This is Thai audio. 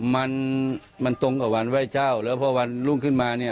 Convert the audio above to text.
มันมันตรงกับวันไหว้เจ้าแล้วพอวันรุ่งขึ้นมาเนี่ย